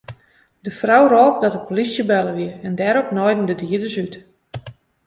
De frou rôp dat de polysje belle wie en dêrop naaiden de dieders út.